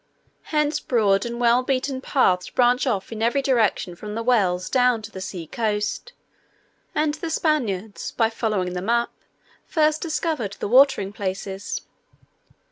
Hence broad and well beaten paths branch off in every direction from the wells down to the sea coast; and the Spaniards by following them up, first discovered the watering places.